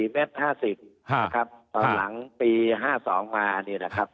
๔๕๐เมตรถังหลังปี๕๒ต้นมานะครับ